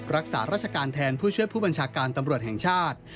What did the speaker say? รักษาราชการแทนผู้ช่วยผู้บัญชาการตำรวจแห่งชาติ